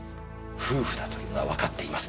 夫婦だというのはわかっています。